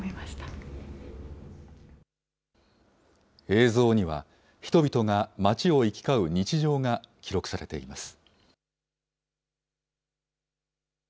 映像には、人々が街を行き交う日常が記録されています。